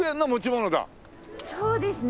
そうですね。